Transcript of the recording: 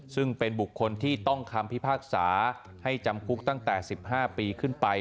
ซึ่งเป็นบุคคลที่ต้องคำพิพากษาให้จำคุกตั้งแต่๑๕ปีขึ้นไป